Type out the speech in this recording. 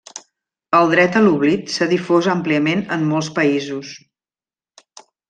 El dret a l'oblit s'ha difós àmpliament en molts països.